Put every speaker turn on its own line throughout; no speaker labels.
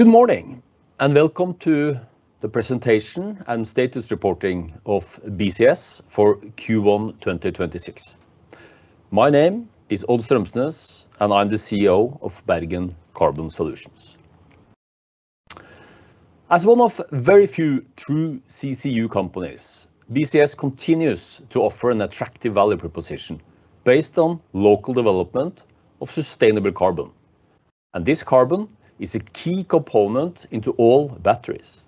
Good morning, welcome to the presentation and status reporting of BCS for Q1 2026. My name is Odd Strømsnes, and I'm the CEO of Bergen Carbon Solutions. As one of very few true CCU companies, BCS continues to offer an attractive value proposition based on local development of sustainable carbon, and this carbon is a key component into all batteries.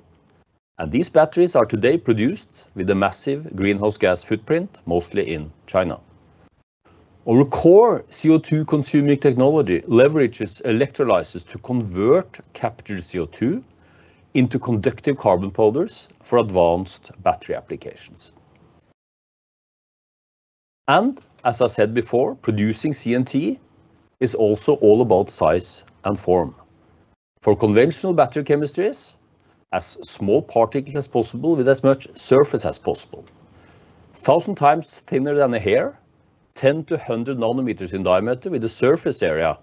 These batteries are today produced with a massive greenhouse gas footprint, mostly in China. Our core CO2-consuming technology leverages electrolyzers to convert captured CO2 into conductive carbon powders for advanced battery applications. As I said before, producing CNT is also all about size and form. For conventional battery chemistries, as small particles as possible with as much surface as possible. 1,000 times thinner than a hair, 10 nm-100 nm in diameter with a surface area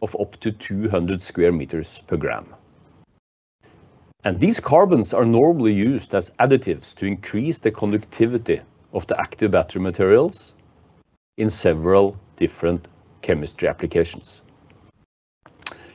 of up to 200 sqm/g. These carbons are normally used as additives to increase the conductivity of the active battery materials in several different chemistry applications.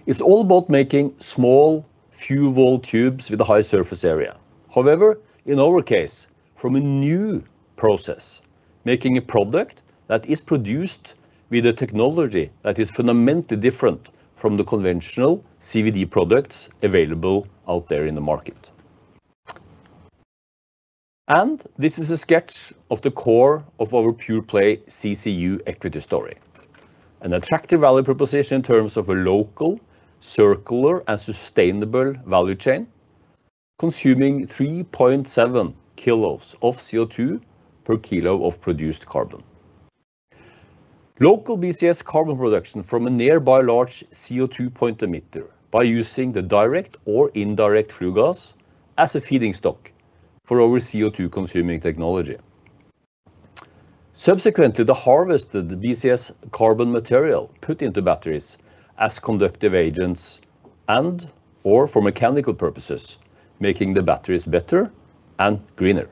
It's all about making small few volt tubes with a high surface area. However, in our case, from a new process, making a product that is produced with a technology that is fundamentally different from the conventional CVD products available out there in the market. This is a sketch of the core of our pure play CCU equity story. An attractive value proposition in terms of a local, circular, and sustainable value chain, consuming 3.7 kg of CO2 per kilo of produced carbon. Local BCS carbon production from a nearby large CO2 point emitter by using the direct or indirect flue gas as a feeding stock for our CO2-consuming technology. Subsequently, the harvested BCS carbon material put into batteries as conductive agents and/or for mechanical purposes, making the batteries better and greener.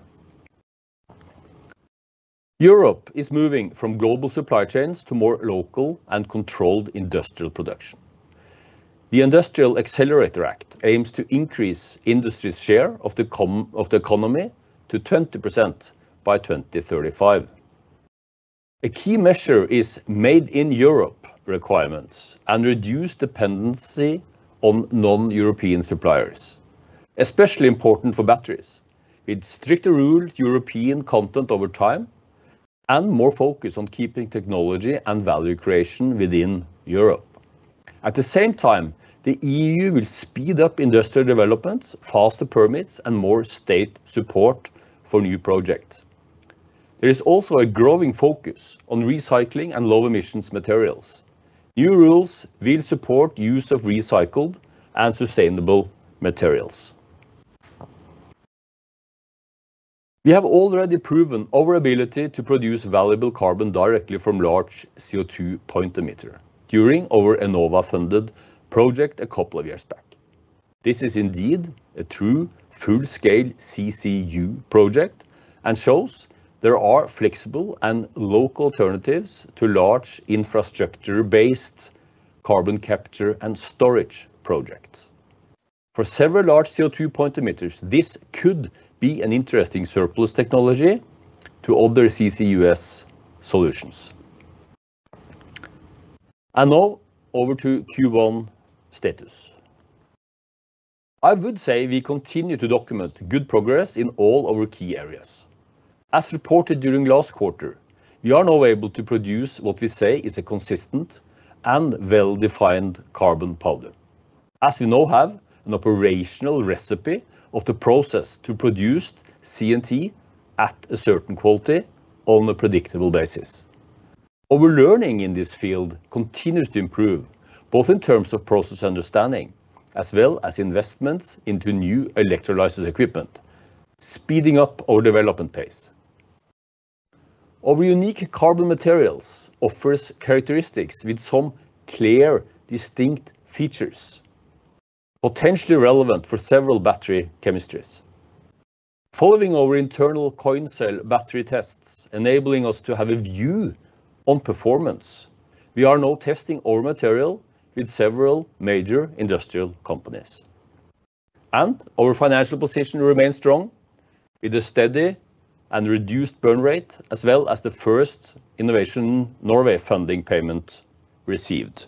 Europe is moving from global supply chains to more local and controlled industrial production. The Industrial Accelerator Act aims to increase industry's share of the economy to 20% by 2035. A key measure is made in Europe requirements and reduce dependency on non-European suppliers, especially important for batteries. With stricter rules, European content over time, and more focus on keeping technology and value creation within Europe. The E.U. will speed up industrial developments, faster permits, and more state support for new projects. There is also a growing focus on recycling and low emissions materials. New rules will support use of recycled and sustainable materials. We have already proven our ability to produce valuable carbon directly from large CO2 point emitter during our Enova-funded project two years back. This is indeed a true full-scale CCU project and shows there are flexible and local alternatives to large infrastructure-based carbon capture and storage projects. For several large CO2 point emitters, this could be an interesting surplus technology to other CCUS solutions. Now over to Q1 status. I would say we continue to document good progress in all our key areas. As reported during last quarter, we are now able to produce what we say is a consistent and well-defined carbon powder. As we now have an operational recipe of the process to produce CNT at a certain quality on a predictable basis. Our learning in this field continues to improve, both in terms of process understanding as well as investments into new electrolyzers equipment, speeding up our development pace. Our unique carbon materials offers characteristics with some clear, distinct features, potentially relevant for several battery chemistries. Following our internal coin cell battery tests, enabling us to have a view on performance, we are now testing our material with several major industrial companies. Our financial position remains strong with a steady and reduced burn rate, as well as the first Innovation Norway funding payment received.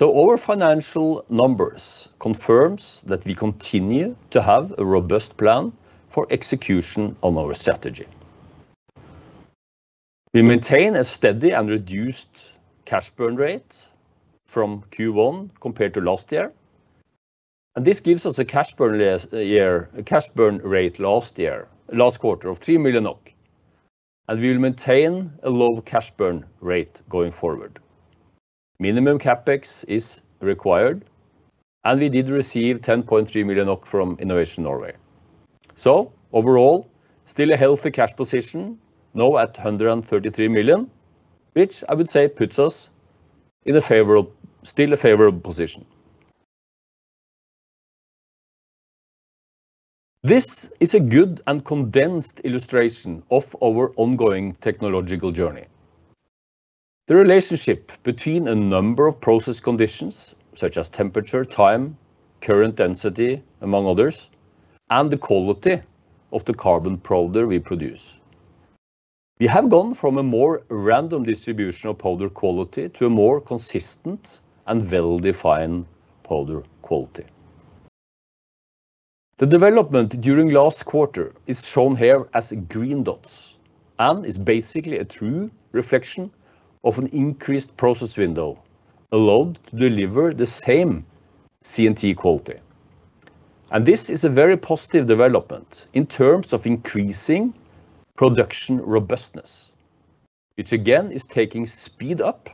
Our financial numbers confirms that we continue to have a robust plan for execution on our strategy. We maintain a steady and reduced cash burn rate from Q1 compared to last year. This gives us a cash burn rate last year, last quarter of 3 million NOK. We will maintain a low cash burn rate going forward. Minimum CapEx is required, and we did receive 10.3 million from Innovation Norway. Overall, still a healthy cash position now at 133 million, which I would say puts us in a favorable, still a favorable position. This is a good and condensed illustration of our ongoing technological journey. The relationship between a number of process conditions, such as temperature, time, current density, among others, and the quality of the carbon powder we produce. We have gone from a more random distribution of powder quality to a more consistent and well-defined powder quality. The development during last quarter is shown here as green dots and is basically a true reflection of an increased process window allowed to deliver the same CNT quality. This is a very positive development in terms of increasing production robustness, which again is taking speed up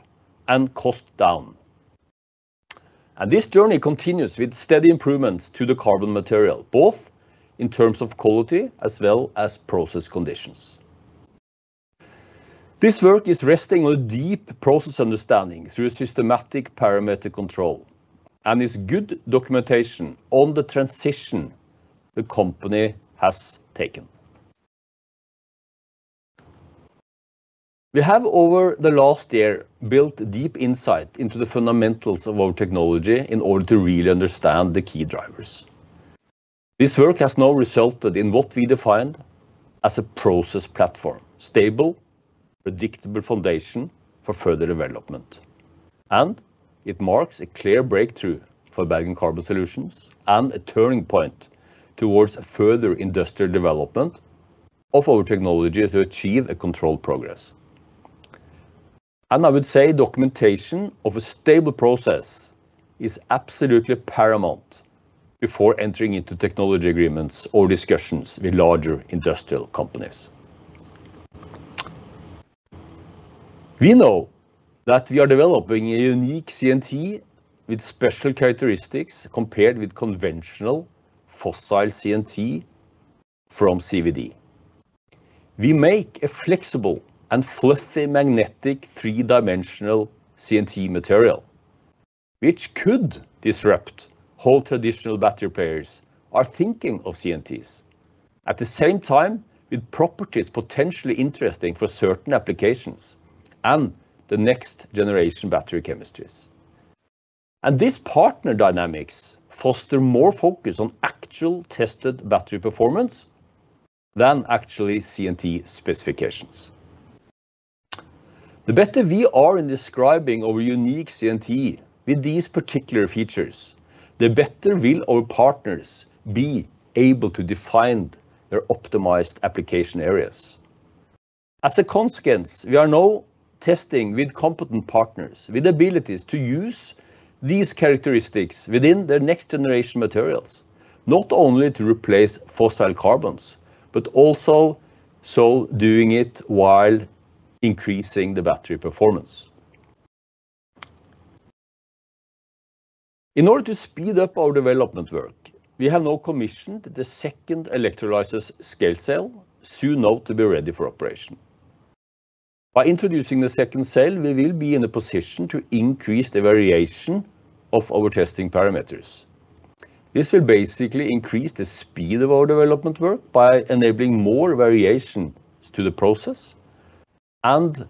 and cost down. This journey continues with steady improvements to the carbon material, both in terms of quality as well as process conditions. This work is resting on a deep process understanding through a systematic parametric control and is good documentation on the transition the company has taken. We have, over the last year, built deep insight into the fundamentals of our technology in order to really understand the key drivers. This work has now resulted in what we define as a process platform, stable, predictable foundation for further development, and it marks a clear breakthrough for Bergen Carbon Solutions and a turning point towards further industrial development of our technology to achieve a controlled progress. I would say documentation of a stable process is absolutely paramount before entering into technology agreements or discussions with larger industrial companies. We know that we are developing a unique CNT with special characteristics compared with conventional fossil CNT from CVD. We make a flexible and fluffy magnetic three-dimensional CNT material which could disrupt how traditional battery players are thinking of CNTs, at the same time with properties potentially interesting for certain applications and the next-generation battery chemistries. This partner dynamics foster more focus on actual tested battery performance than actually CNT specifications. The better we are in describing our unique CNT with these particular features, the better will our partners be able to define their optimized application areas. As a consequence, we are now testing with competent partners with abilities to use these characteristics within their next-generation materials, not only to replace fossil carbons, but also so doing it while increasing the battery performance. In order to speed up our development work, we have now commissioned the second electrolysis scale cell soon now to be ready for operation. By introducing the second cell, we will be in a position to increase the variation of our testing parameters. This will basically increase the speed of our development work by enabling more variation to the process and,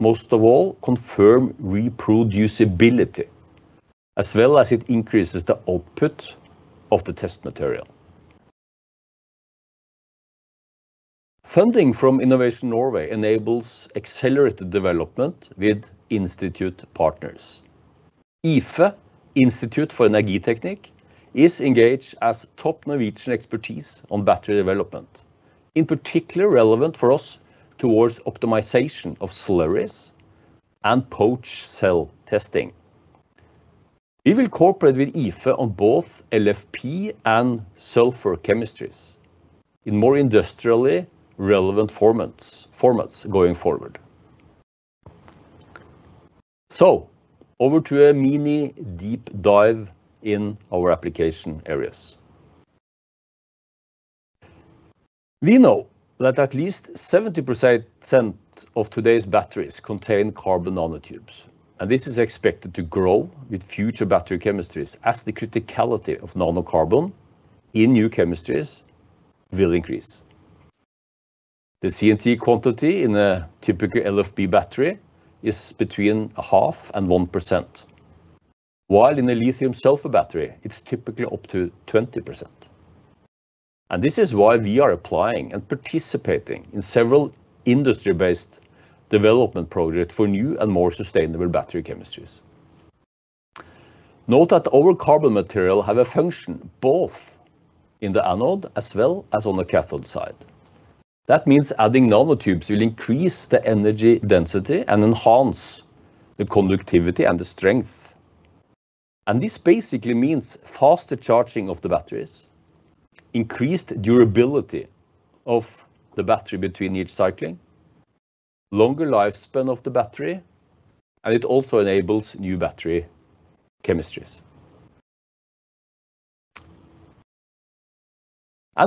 most of all, confirm reproducibility, as well as it increases the output of the test material. Funding from Innovation Norway enables accelerated development with institute partners. IFE, Institutt for Energiteknikk, is engaged as top Norwegian expertise on battery development, in particular relevant for us towards optimization of slurries and pouch cell testing. We will cooperate with IFE on both LFP and sulfur chemistries in more industrially relevant formats going forward. Over to a mini deep dive in our application areas. We know that at least 70% of today's batteries contain carbon nanotubes, and this is expected to grow with future battery chemistries as the criticality of nanocarbon in new chemistries will increase. The CNT quantity in a typical LFP battery is between 0.5% and 1%, while in a lithium-sulfur battery, it's typically up to 20%. This is why we are applying and participating in several industry-based development projects for new and more sustainable battery chemistries. Note that our carbon material have a function both in the anode as well as on the cathode side. That means adding nanotubes will increase the energy density and enhance the conductivity and the strength. This basically means faster charging of the batteries, increased durability of the battery between each cycling, longer lifespan of the battery, and it also enables new battery chemistries.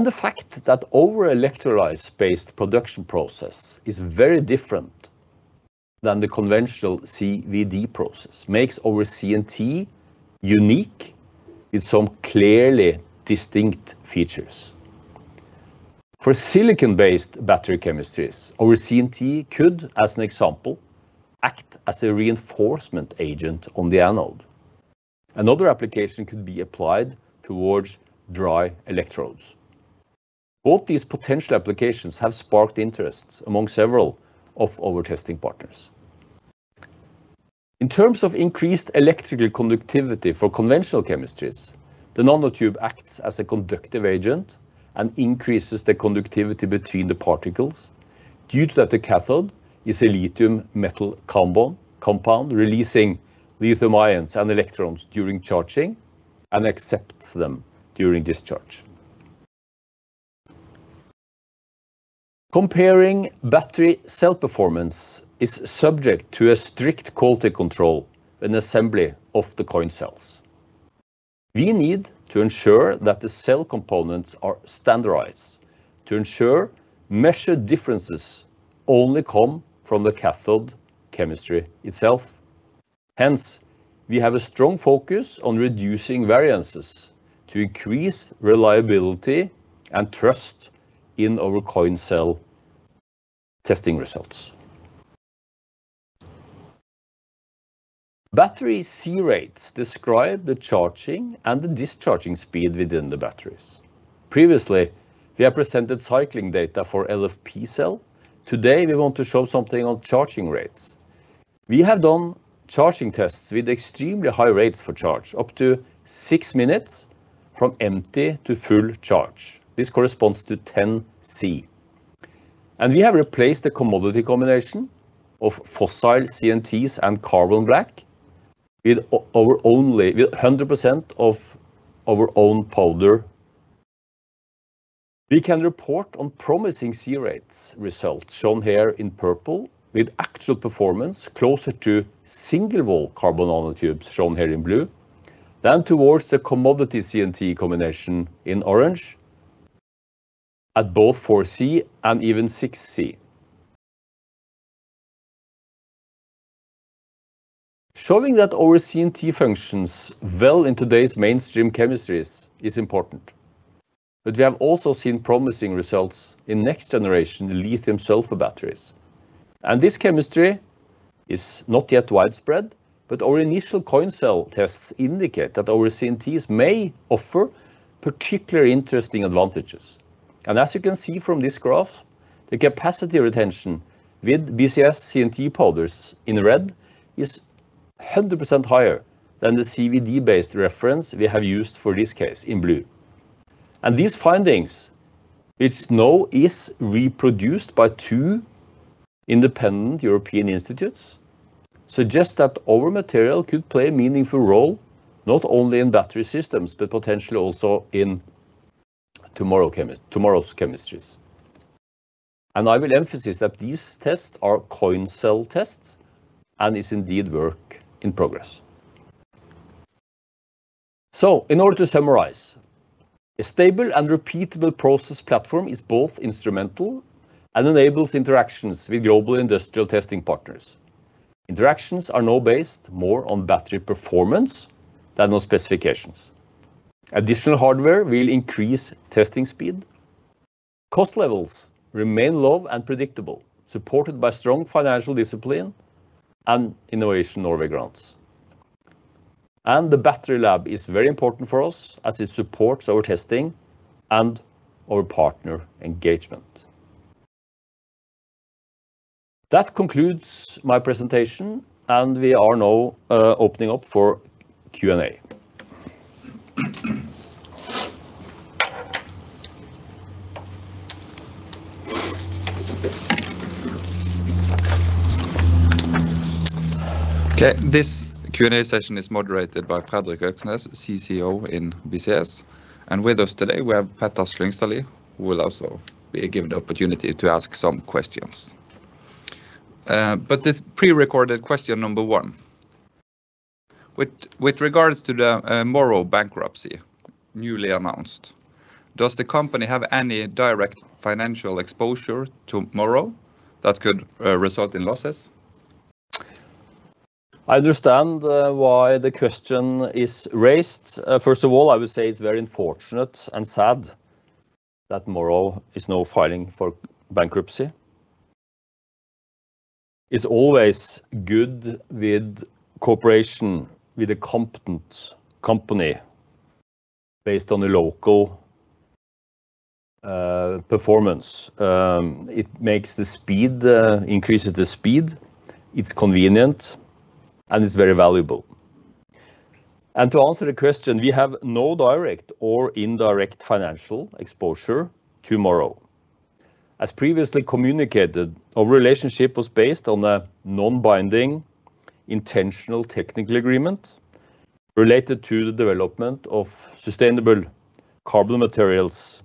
The fact that our electrolyzed-based production process is very different than the conventional CVD process makes our CNT unique in some clearly distinct features. For silicon-based battery chemistries, our CNT could, as an example, act as a reinforcement agent on the anode. Another application could be applied towards dry electrodes. Both these potential applications have sparked interests among several of our testing partners. In terms of increased electrical conductivity for conventional chemistries, the nanotube acts as a conductive agent and increases the conductivity between the particles due that the cathode is a lithium metal compound, releasing lithium ions and electrons during charging and accepts them during discharge. Comparing battery cell performance is subject to a strict quality control in assembly of the coin cells. We need to ensure that the cell components are standardized to ensure measured differences only come from the cathode chemistry itself. We have a strong focus on reducing variances to increase reliability and trust in our coin cell testing results. Battery C-rates describe the charging and the discharging speed within the batteries. Previously, we have presented cycling data for LFP cell. Today, we want to show something on charging rates. We have done charging tests with extremely high rates for charge, up to 6 minutes from empty to full charge. This corresponds to 10C. We have replaced the commodity combination of fossil CNTs and carbon black with 100% of our own powder. We can report on promising C-rates results, shown here in purple, with actual performance closer to single wall carbon nanotubes, shown here in blue, than towards the commodity CNT combination in orange at both 4C and even 6C. Showing that our CNT functions well in today's mainstream chemistries is important. We have also seen promising results in next generation lithium-sulfur batteries. This chemistry is not yet widespread, but our initial coin cell tests indicate that our CNTs may offer particularly interesting advantages. As you can see from this graph, the capacity retention with BCS CNT powders, in red, is 100% higher than the CVD-based reference we have used for this case, in blue. These findings, it is now reproduced by two independent European institutes, suggest that our material could play a meaningful role not only in battery systems, but potentially also in tomorrow's chemistries. I will emphasize that these tests are coin cell tests, and is indeed work in progress. In order to summarize, a stable and repeatable process platform is both instrumental and enables interactions with global industrial testing partners. Interactions are now based more on battery performance than on specifications. Additional hardware will increase testing speed. Cost levels remain low and predictable, supported by strong financial discipline and Innovation Norway grants. The battery lab is very important for us as it supports our testing and our partner engagement. That concludes my presentation, and we are now opening up for Q&A.
Okay, this Q&A session is moderated by Fredrik Øksnes, CCO in BCS, and with us today we have Petter Slyngstadli, who will also be given the opportunity to ask some questions. This pre-recorded question number one. With regards to the Morrow bankruptcy, newly announced, does the company have any direct financial exposure to Morrow that could result in losses?
I understand why the question is raised. First of all, I would say it's very unfortunate and sad that Morrow is now filing for bankruptcy. It's always good with cooperation with a competent company based on the local performance. It makes the speed, increases the speed, it's convenient, and it's very valuable. To answer the question, we have no direct or indirect financial exposure to Morrow. As previously communicated, our relationship was based on a non-binding intentional technical agreement related to the development of sustainable carbon materials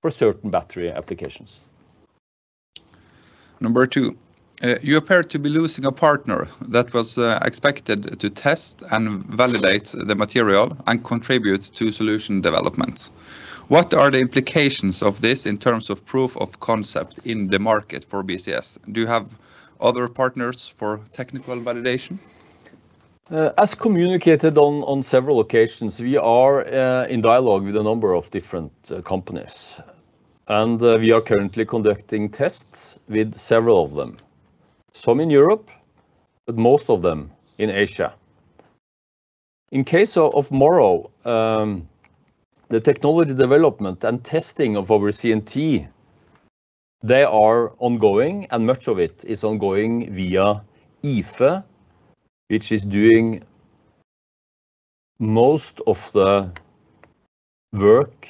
for certain battery applications.
Number two, you appear to be losing a partner that was expected to test and validate the material and contribute to solution developments. What are the implications of this in terms of proof of concept in the market for BCS? Do you have other partners for technical validation?
As communicated on several occasions, we are in dialogue with a number of different companies, we are currently conducting tests with several of them. Some in Europe, but most of them in Asia. In case of Morrow, the technology development and testing of our CNT, they are ongoing and much of it is ongoing via IFE, which is doing most of the work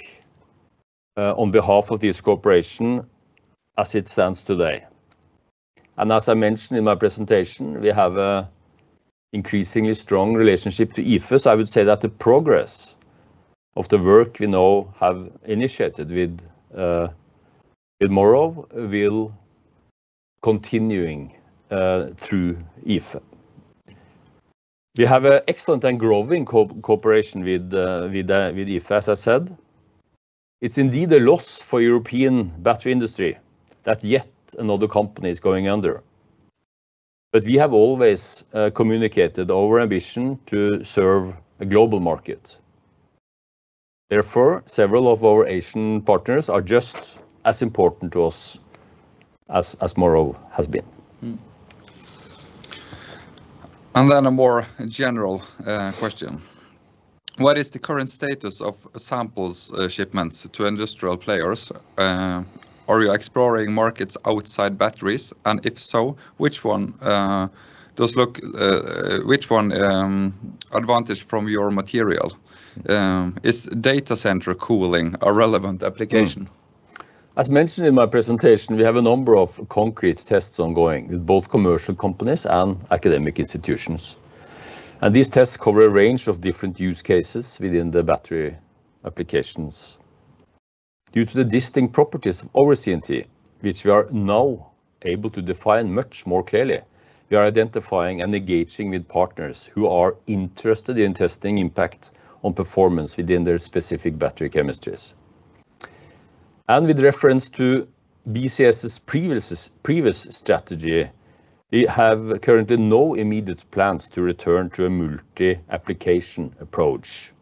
on behalf of this corporation as it stands today. As I mentioned in my presentation, we have a increasingly strong relationship to IFE, so I would say that the progress of the work we now have initiated with Morrow will continuing through IFE. We have a excellent and growing cooperation with IFE, as I said. It's indeed a loss for European battery industry that yet another company is going under. We have always communicated our ambition to serve a global market. Therefore, several of our Asian partners are just as important to us as Morrow has been.
A more general question. What is the current status of samples, shipments to industrial players? Are you exploring markets outside batteries? If so, which one advantage from your material? Is data center cooling a relevant application?
As mentioned in my presentation, we have a number of concrete tests ongoing with both commercial companies and academic institutions. These tests cover a range of different use cases within the battery applications. Due to the distinct properties of our CNT, which we are now able to define much more clearly, we are identifying and engaging with partners who are interested in testing impact on performance within their specific battery chemistries. With reference to BCS's previous strategy, we have currently no immediate plans to return to a multi-application approach.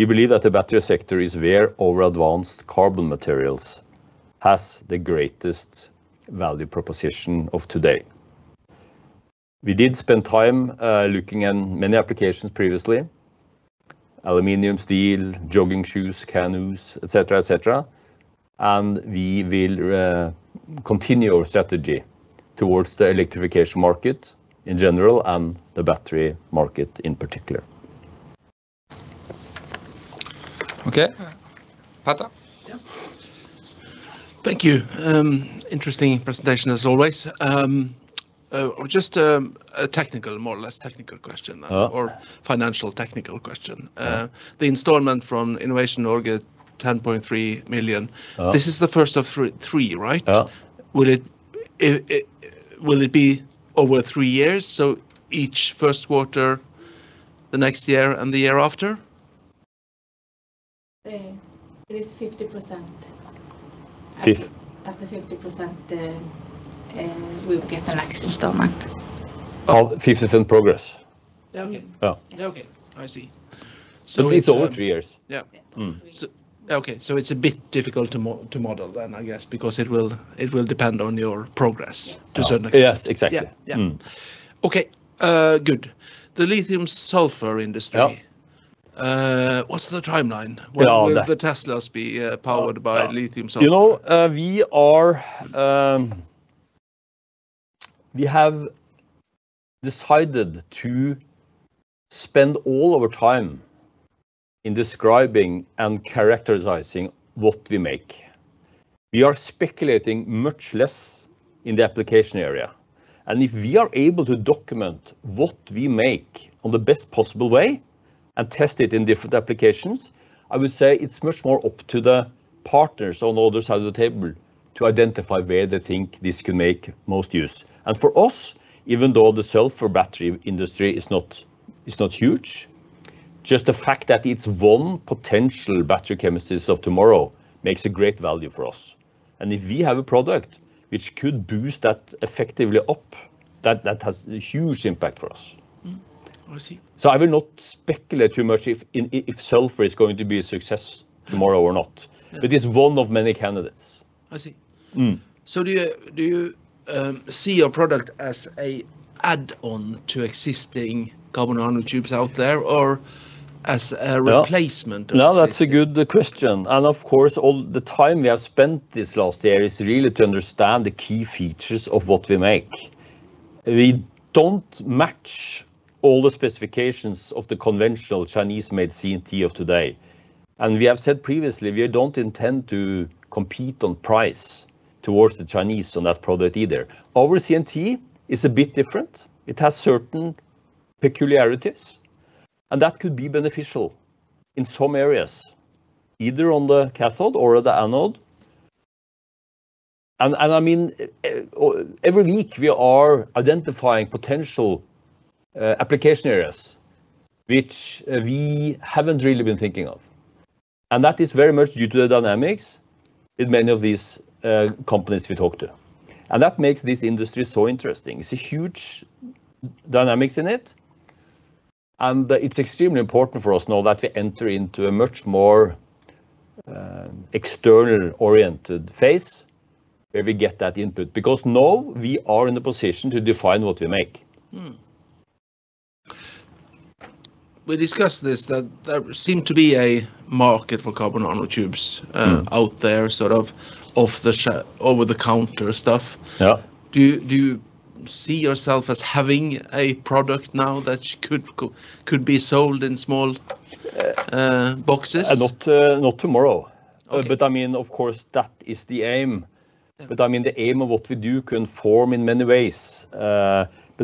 We believe that the battery sector is where our advanced carbon materials has the greatest value proposition of today. We did spend time looking at many applications previously, aluminum, steel, jogging shoes, canoes, et cetera. We will continue our strategy towards the electrification market in general and the battery market in particular. Okay. Petter?
Yeah. Thank you. Interesting presentation as always. Just a technical, more or less technical question then, financial, technical question. The installment from Innovation Norway, 10.3 million. This is the first of three, right? Will it be over three years, so each first quarter the next year and the year after?
It is 50%.
50%?
After 50%, we'll get the next installment.
50% progress.
Okay. I see.
It's over three years.
Okay. It's a bit difficult to model then, I guess, because it will depend on your progress-
Yes....
to a certain extent.
Yes, exactly.
Good. The lithium-sulfur industry. What's the timeline?
Yeah, on that-
When will the Teslas be powered by lithium-sulfur?
You know, we have decided to spend all of our time in describing and characterizing what we make. We are speculating much less in the application area. If we are able to document what we make on the best possible way and test it in different applications, I would say it's much more up to the partners on the other side of the table to identify where they think this can make most use. For us, even though the sulfur battery industry is not huge, just the fact that it's one potential battery chemistries of tomorrow makes a great value for us. If we have a product which could boost that effectively up, that has a huge impact for us.
I see.
I will not speculate too much if sulfur is going to be a success tomorrow or not. It's one of many candidates.
I see. Do you see your product as an add-on to existing carbon nanotube out there, or as a replacement?
That's a good question. Of course, all the time we have spent this last year is really to understand the key features of what we make. We don't match all the specifications of the conventional Chinese-made CNT of today. We have said previously we don't intend to compete on price towards the Chinese on that product either. Our CNT is a bit different. It has certain peculiarities. That could be beneficial in some areas, either on the cathode or the anode. I mean, every week we are identifying potential application areas which we haven't really been thinking of. That is very much due to the dynamics in many of these companies we talk to. That makes this industry so interesting. It's a huge dynamics in it, and it's extremely important for us now that we enter into a much more external-oriented phase where we get that input because now we are in the position to define what we make.
We discussed this, that there seemed to be a market for carbon nanotubes out there sort of off the over-the-counter stuff.
Yeah.
Do you see yourself as having a product now that could be sold in small boxes?
Not tomorrow.
Okay.
I mean, of course, that is the aim. I mean, the aim of what we do can form in many ways.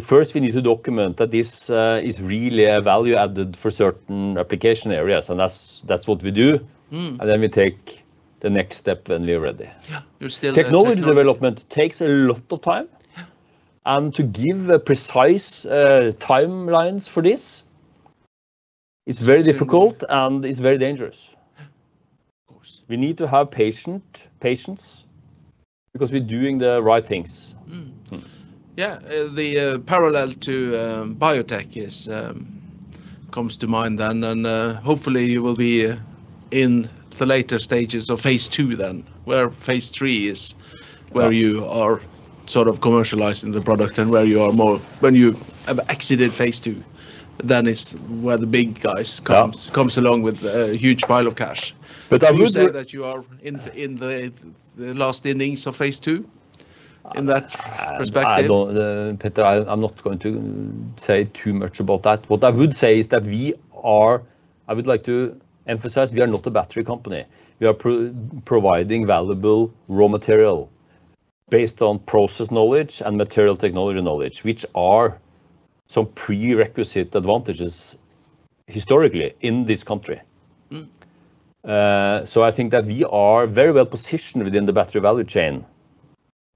First we need to document that this is really a value added for certain application areas, and that's what we do. We take the next step when we're ready.
Yeah. You're still in technology-
Technology development takes a lot of time. To give a precise timelines for this is very difficult. Is very dangerous.
Yeah. Of course.
We need to have patience because we're doing the right things.
Yeah. The parallel to biotech comes to mind then, hopefully you will be in the later stages of phase II then.
Yeah.
Phase III is where you are sort of commercializing the product and where you are more, when you have exited phase II than it's where the big guys comes along with a huge pile of cash.
But I would say-
Would you say that you are in the last innings of phase II, in that perspective?
I don't, Petter, I'm not going to say too much about that. What I would say is that we are, I would like to emphasize, we are not a battery company. We are providing valuable raw material based on process knowledge and material technology knowledge, which are some prerequisite advantages historically in this country. I think that we are very well-positioned within the battery value chain.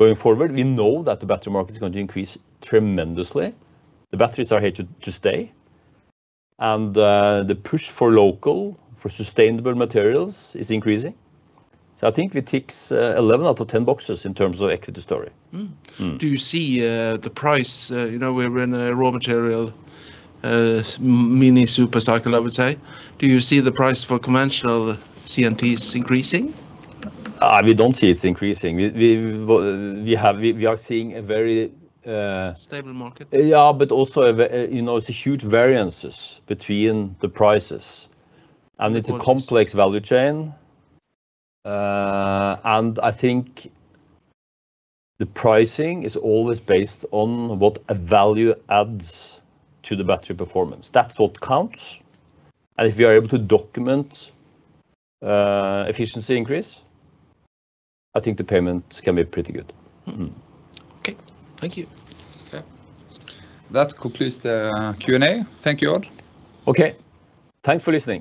Going forward, we know that the battery market's going to increase tremendously. The batteries are here to stay. The push for local, for sustainable materials is increasing. I think it ticks 11 out of 10 boxes in terms of equity story.
Do you see the price, you know, we're in a raw material mini super cycle, I would say. Do you see the price for conventional CNTs increasing?
We don't see it's increasing. We are seeing a very-
Stable market?
Yeah, also, you know, it's a huge variances between the prices.
Of course.
It's a complex value chain. I think the pricing is always based on what a value adds to the battery performance. That's what counts. If you are able to document, efficiency increase, I think the payment can be pretty good.
Okay. Thank you.
Yeah. That concludes the Q&A. Thank you all.
Okay. Thanks for listening.